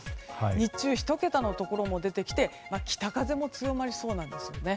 日中、１桁のところも出てきて北風も強まりそうなんですよね。